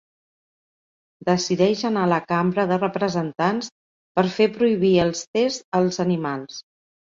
Decideix anar a la Cambra de representants per fer prohibir els tests als animals.